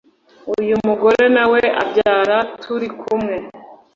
uyu mugore na we abyara turi kumwe